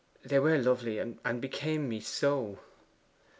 'They were lovely, and became me so!